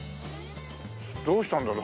どうしたんだろう？